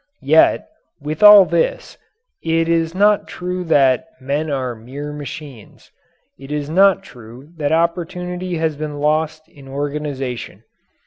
Yet, with all this, it is not true that "men are mere machines." It is not true that opportunity has been lost in organization.